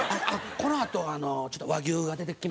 「このあとちょっと和牛が出てきますけど」。